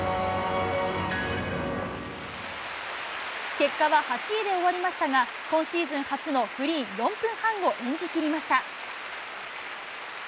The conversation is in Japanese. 結果は８位で終わりましたが、今シーズン初のフリー４分半を演じきりました。